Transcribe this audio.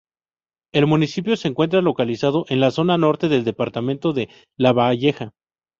El municipio se encuentra localizado en la zona norte del departamento de Lavalleja.